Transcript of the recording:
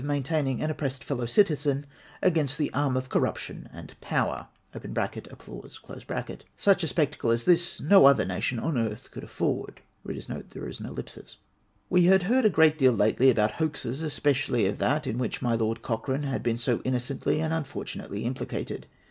447 maintaining an oppressed fellow citizen against tlie arm of corruption and power {a'p'plause). Sucli a spectacle as this no other nation on the earth could afford .... We had heard a great deal lately about hoaxes, especially of that in which my Lord Cochrane had been so innocently and unfortunately implicated.